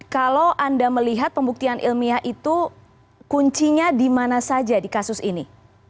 kalau anda melihat pembuktian ilmiah itu kuncinya di mana saja di kasus ini